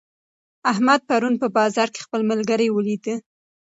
احمد پرون په بازار کې خپل ملګری ولید.